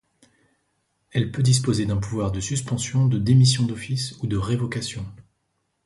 Elle peut disposer d'un pouvoir de suspension, de démission d’office ou de révocation.